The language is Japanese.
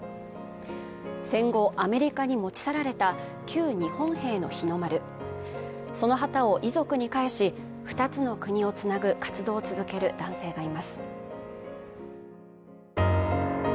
戦後アメリカに持ち去られた旧日本兵の日の丸その旗を遺族に返し二つの国をつなぐ活動を続ける男性がいます